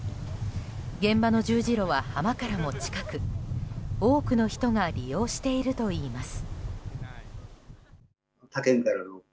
現場の十字路は浜からも近く多くの人が利用しているといいます。